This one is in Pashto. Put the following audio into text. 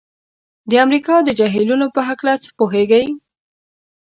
د امریکا د جهیلونو په هلکه څه پوهیږئ؟